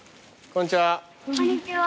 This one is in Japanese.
こんにちは。